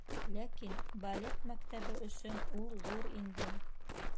Ләкин... балет мәктәбе өсөн ул ҙур инде!